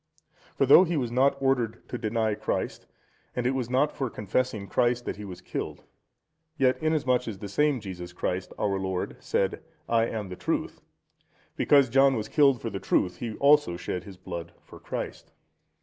For, though he was not ordered to deny Christ, and it was not for confessing Christ that he was killed, yet inasmuch as the same Jesus Christ, our Lord, said, "I am the Truth," because John was killed for the truth, he also shed his blood for Christ.